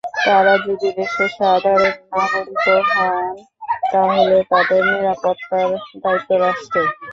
তারা যদি দেশের সাধারণ নাগরিকও হন, তাহলে তাদের নিরাপত্তার দায়িত্ব রাষ্ট্রের।